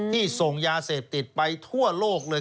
ส่งยาเสพติดไปทั่วโลกเลย